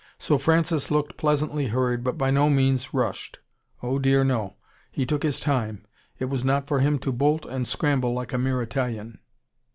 So Francis looked pleasantly hurried, but by no means rushed. Oh, dear, no. He took his time. It was not for him to bolt and scramble like a mere Italian.